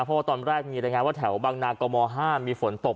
เพราะว่าตอนแรกมีรายงานว่าแถวบางนากม๕มีฝนตก